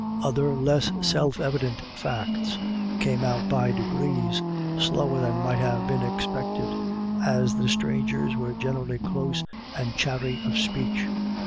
Other less self evident facts came out by degrees, slower than might have been expected, as the strangers were generally close and chary of speech.